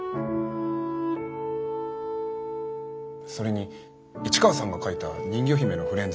それに市川さんが描いた人魚姫のフレンズ